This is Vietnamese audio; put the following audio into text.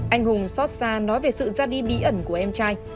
anh hùng xót xa nói về sự ra đi bí ẩn của em trai